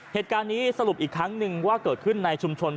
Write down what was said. เหตุการณ์นี้สรุปอีกครั้งหนึ่งว่าเกิดขึ้นในชุมชน